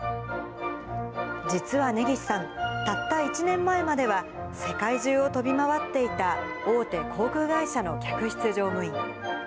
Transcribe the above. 実は根岸さん、たった１年前までは、世界中を飛び回っていた大手航空会社の客室乗務員。